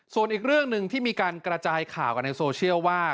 ส่วนอีกเรื่องหนึ่งที่มีการกระจายข่าวกันในโซเชียลว่า